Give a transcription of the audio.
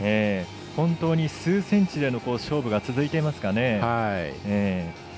本当に数センチでの勝負が続いていますかね。